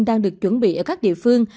đang được chuẩn bị ở các địa phương